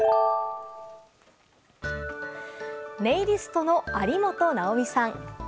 ネイリストの有本奈緒美さん。